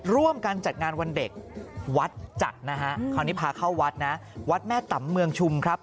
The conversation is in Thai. ร่วมกันจัดงานวันเด็กวัดจัดนะฮะคราวนี้พาเข้าวัดนะวัดแม่ตำเมืองชุมครับ